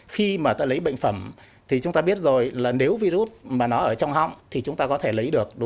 khi mà ta lấy bệnh phẩm thì chúng ta biết rồi là nếu virus mà nó ở trong họng thì chúng ta có thể lấy được đúng